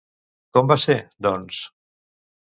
Com va ser, doncs?